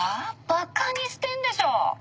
バカにしてんでしょ！？